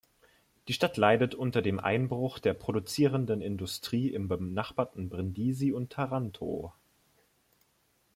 Die Stadt leidet unter dem Einbruch der produzierenden Industrie im benachbarten Brindisi und Taranto.